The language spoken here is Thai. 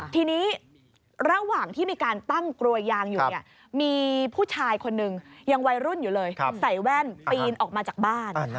ทีนี้ระหว่างที่มีการตั้งกลวยยางอยู่เนี่ยมีผู้ชายคนนึงยังวัยรุ่นอยู่เลยใส่แว่นปีนออกมาจากบ้าน